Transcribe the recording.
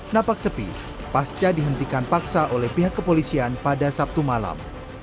napak sepi pasca dihentikan paksa oleh pihak kepolisian pada sabtu malam